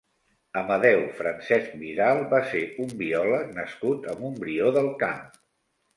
Amadeu Francesch Vidal va ser un biòleg nascut a Montbrió del Camp.